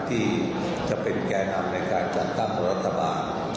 ที่จะเป็นแก่นำในการจัดตั้งรัฐบาล